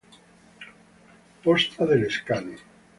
Posta de Lescano.